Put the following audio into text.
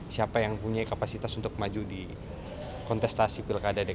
siapa yang punya kapasitas untuk maju di kontestasi pilkada dki